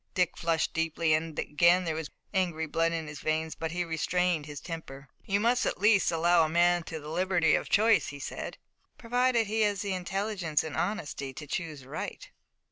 Dick flushed deeply, and again there was angry blood in his veins, but he restrained his temper. "You must at least allow to a man the liberty of choice," he said. "Provided he has the intelligence and honesty to choose right."